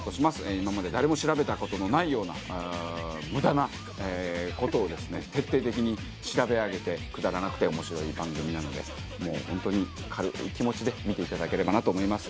今まで誰も調べたことがないような無駄なことを徹底的に調べ上げてくだらなくて面白い番組なので本当に軽い気持ちで見ていただければと思います。